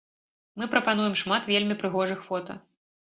Мы прапануем шмат вельмі прыгожых фота!